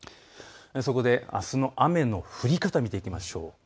あすの雨の降り方を見ていきましょう。